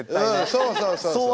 そうそうそうそう。